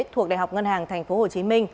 thuộc đại học ngân hàng tp hcm